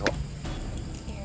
soalnya lu juga sama